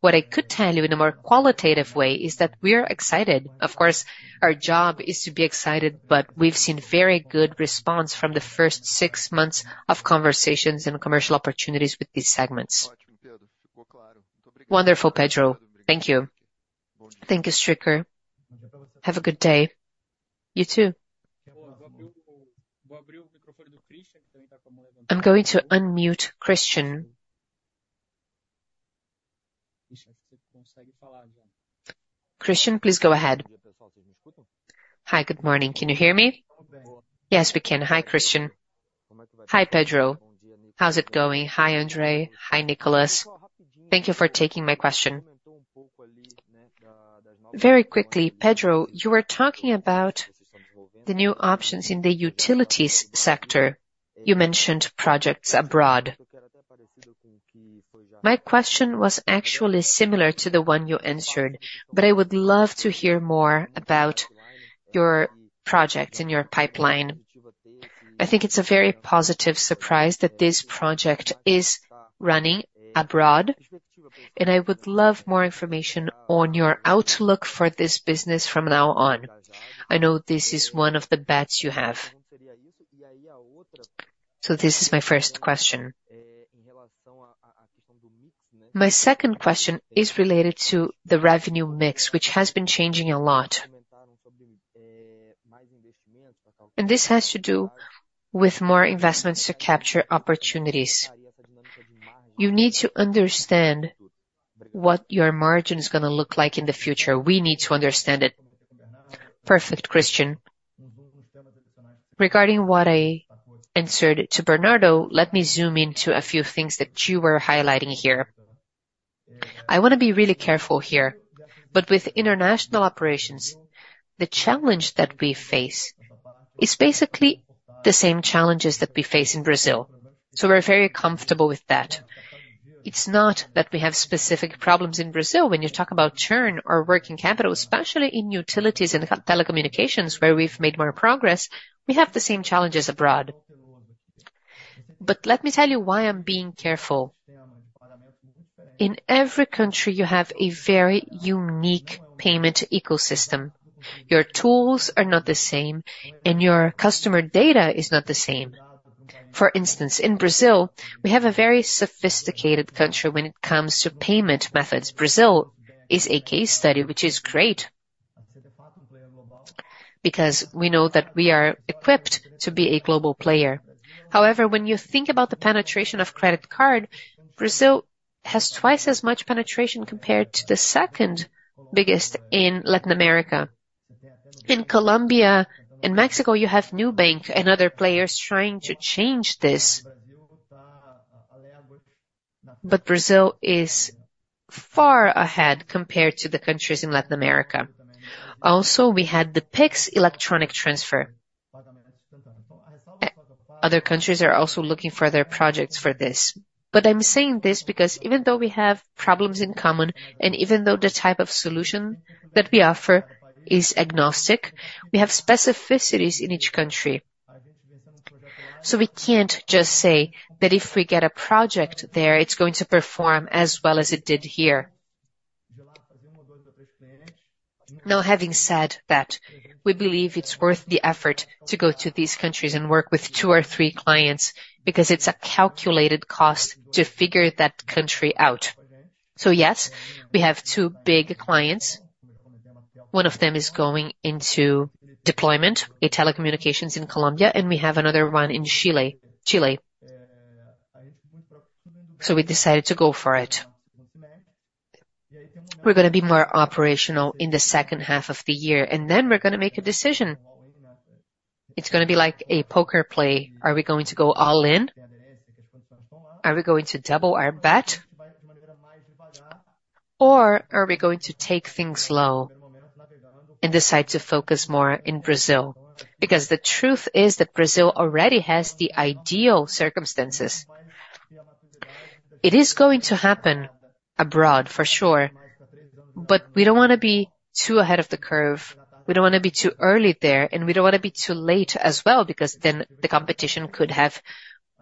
[SPEAKER 3] What I could tell you in a more qualitative way is that we are excited. Of course, our job is to be excited, but we've seen very good response from the first six months of conversations and commercial opportunities with these segments.
[SPEAKER 6] Wonderful, Pedro. Thank you.
[SPEAKER 3] Thank you, Stricker. Have a good day.
[SPEAKER 6] You, too.
[SPEAKER 1] I'm going to unmute Christian. Christian, please go ahead.
[SPEAKER 7] Hi, good morning. Can you hear me? Yes, we can. Hi, Christian. Hi, Pedro. How's it going? Hi, André. Hi, Nicholas. Thank you for taking my question. Very quickly, Pedro, you were talking about the new options in the utilities sector. You mentioned projects abroad. My question was actually similar to the one you answered, but I would love to hear more about your project and your pipeline. I think it's a very positive surprise that this project is running abroad, and I would love more information on your outlook for this business from now on. I know this is one of the bets you have. So this is my first question. My second question is related to the revenue mix, which has been changing a lot. And this has to do with more investments to capture opportunities. You need to understand what your margin is gonna look like in the future. We need to understand it.
[SPEAKER 3] Perfect, Christian. Regarding what I answered to Bernardo, let me zoom in to a few things that you were highlighting here. I wanna be really careful here, but with international operations, the challenge that we face is basically the same challenges that we face in Brazil, so we're very comfortable with that. It's not that we have specific problems in Brazil. When you talk about churn or working capital, especially in utilities and telecommunications, where we've made more progress, we have the same challenges abroad. Let me tell you why I'm being careful. In every country, you have a very unique payment ecosystem. Your tools are not the same, and your customer data is not the same. For instance, in Brazil, we have a very sophisticated country when it comes to payment methods. Brazil is a case study, which is great, because we know that we are equipped to be a global player. However, when you think about the penetration of credit card, Brazil has twice as much penetration compared to the second biggest in Latin America. In Colombia and Mexico, you have Nubank and other players trying to change this, but Brazil is far ahead compared to the countries in Latin America. Also, we had the Pix electronic transfer. Other countries are also looking for other projects for this. But I'm saying this because even though we have problems in common, and even though the type of solution that we offer is agnostic, we have specificities in each country. So we can't just say that if we get a project there, it's going to perform as well as it did here. Now, having said that, we believe it's worth the effort to go to these countries and work with two or three clients, because it's a calculated cost to figure that country out. So yes, we have two big clients. One of them is going into deployment, a telecommunications in Colombia, and we have another one in Chile, Chile. So we decided to go for it. We're gonna be more operational in the second half of the year, and then we're gonna make a decision. It's gonna be like a poker play. Are we going to go all in? Are we going to double our bet?... Or are we going to take things slow and decide to focus more in Brazil? Because the truth is that Brazil already has the ideal circumstances. It is going to happen abroad, for sure, but we don't wanna be too ahead of the curve. We don't wanna be too early there, and we don't wanna be too late as well, because then the competition could have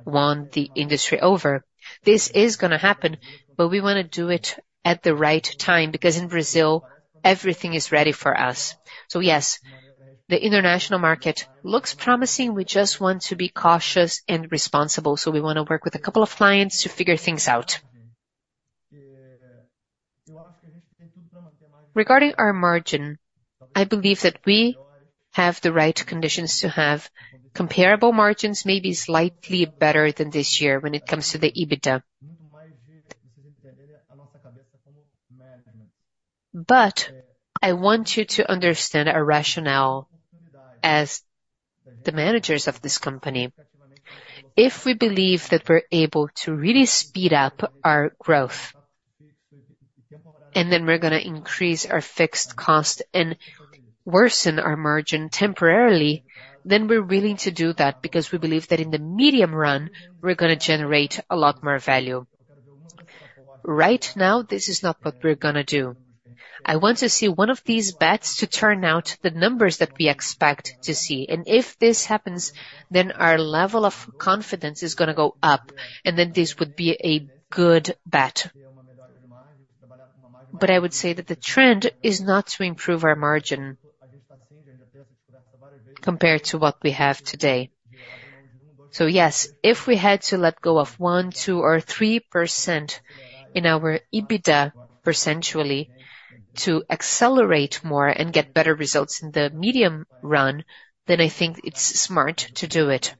[SPEAKER 3] won the industry over. This is gonna happen, but we wanna do it at the right time, because in Brazil, everything is ready for us. So yes, the international market looks promising. We just want to be cautious and responsible, so we wanna work with a couple of clients to figure things out. Regarding our margin, I believe that we have the right conditions to have comparable margins, maybe slightly better than this year when it comes to the EBITDA. But I want you to understand our rationale as the managers of this company. If we believe that we're able to really speed up our growth, and then we're gonna increase our fixed cost and worsen our margin temporarily, then we're willing to do that, because we believe that in the medium run, we're gonna generate a lot more value. Right now, this is not what we're gonna do. I want to see one of these bets to turn out the numbers that we expect to see, and if this happens, then our level of confidence is gonna go up, and then this would be a good bet. But I would say that the trend is not to improve our margin compared to what we have today. So yes, if we had to let go of one, two, or 3% in our EBITDA, percentage-wise, to accelerate more and get better results in the medium run, then I think it's smart to do it.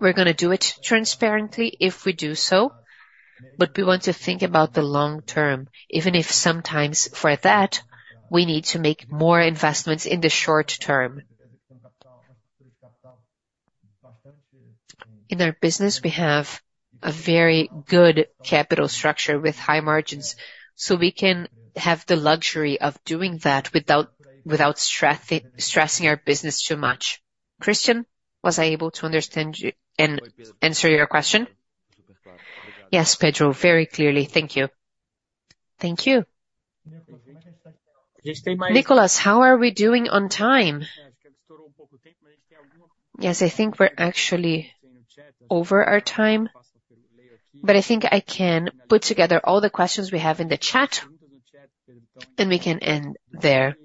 [SPEAKER 3] We're gonna do it transparently if we do so, but we want to think about the long term, even if sometimes for that, we need to make more investments in the short term. In our business, we have a very good capital structure with high margins, so we can have the luxury of doing that without stressing our business too much. Christian, was I able to understand you and answer your question?
[SPEAKER 8] Yes, Pedro, very clearly. Thank you. Thank you. Nicholas, how are we doing on time?
[SPEAKER 1] Yes, I think we're actually over our time, but I think I can put together all the questions we have in the chat, and we can end there.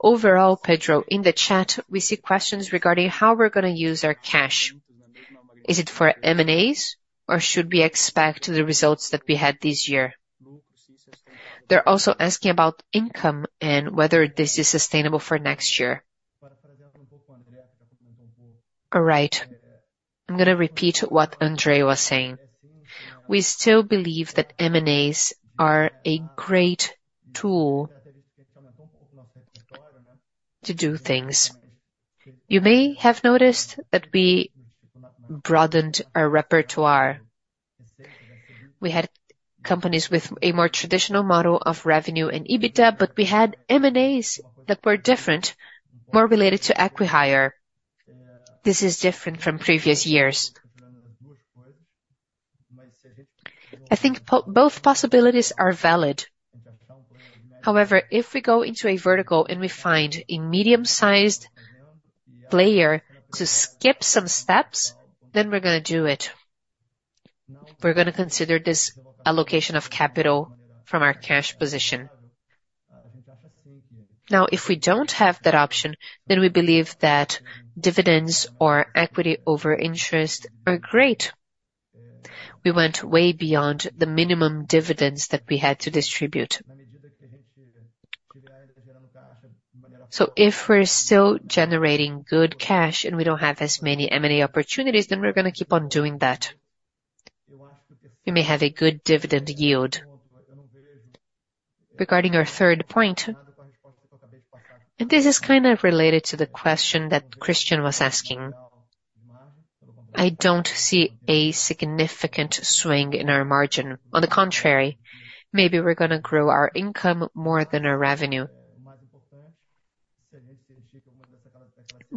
[SPEAKER 1] Overall, Pedro, in the chat, we see questions regarding how we're gonna use our cash. Is it for M&As, or should we expect the results that we had this year? They're also asking about income and whether this is sustainable for next year. All right. I'm gonna repeat what André was saying. We still believe that M&As are a great tool to do things. You may have noticed that we broadened our repertoire. We had companies with a more traditional model of revenue and EBITDA, but we had M&As that were different, more related to acqui-hire. This is different from previous years. I think both possibilities are valid. However, if we go into a vertical and we find a medium-sized player to skip some steps, then we're gonna do it. We're gonna consider this allocation of capital from our cash position. Now, if we don't have that option, then we believe that dividends or equity on interest are great. We went way beyond the minimum dividends that we had to distribute. So if we're still generating good cash and we don't have as many M&A opportunities, then we're gonna keep on doing that. We may have a good dividend yield. Regarding our third point, and this is kind of related to the question that Christian was asking. I don't see a significant swing in our margin. On the contrary, maybe we're gonna grow our income more than our revenue.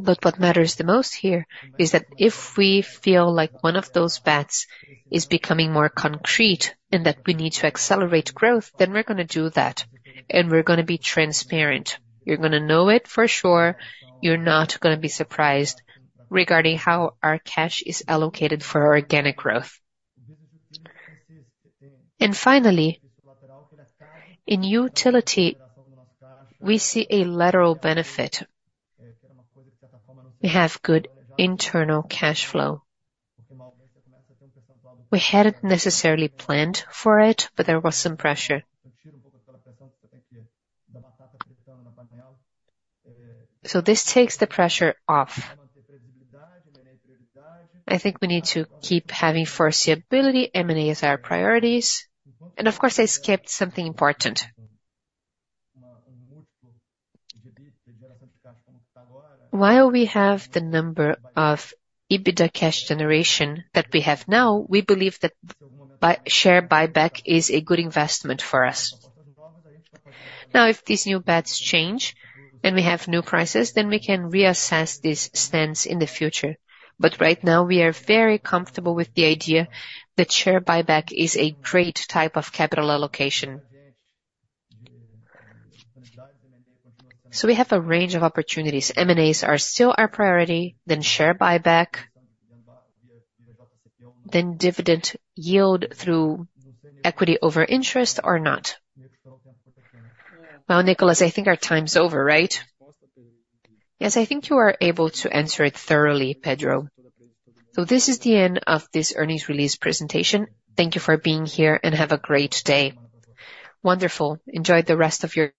[SPEAKER 1] What matters the most here is that if we feel like one of those bets is becoming more concrete and that we need to accelerate growth, then we're gonna do that, and we're gonna be transparent. You're gonna know it for sure. You're not gonna be surprised regarding how our cash is allocated for our organic growth. And finally, in utility, we see a lateral benefit. We have good internal cash flow. We hadn't necessarily planned for it, but there was some pressure. So this takes the pressure off. I think we need to keep having foreseeability. M&A is our priorities, and of course, I skipped something important. While we have the number of EBITDA cash generation that we have now, we believe that share buyback is a good investment for us. Now, if these new bets change and we have new prices, then we can reassess this stance in the future. But right now, we are very comfortable with the idea that share buyback is a great type of capital allocation. So we have a range of opportunities. M&As are still our priority, then share buyback, then dividend yield through equity on interest or not. Well, Nicholas, I think our time's over, right? Yes, I think you are able to answer it thoroughly, Pedro. So this is the end of this earnings release presentation. Thank you for being here, and have a great day. Wonderful. Enjoy the rest of your day.